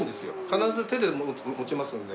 必ず手で持ちますので。